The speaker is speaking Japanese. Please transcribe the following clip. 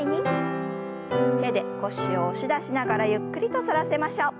手で腰を押し出しながらゆっくりと反らせましょう。